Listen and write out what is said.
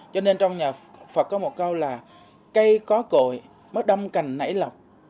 cho nên trong nhà phật có một câu là cây có cổi mới đông cành nảy lọc